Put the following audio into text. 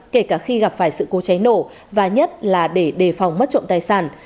kể cả khi gặp phải sự cố cháy nổ và nhất là để đề phòng mất trộm tài sản